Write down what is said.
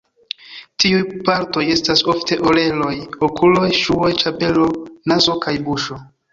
Tiuj partoj estas ofte oreloj, okuloj, ŝuoj, ĉapelo, nazo kaj buŝo.